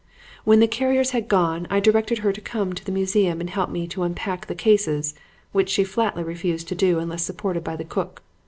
"When the carriers had gone I directed her to come to the museum and help me to unpack the cases, which she flatly refused to do unless supported by the cook.